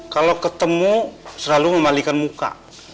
kalau ketemu selalu memalikan muka